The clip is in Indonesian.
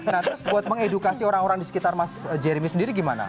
nah terus buat mengedukasi orang orang di sekitar mas jeremy sendiri gimana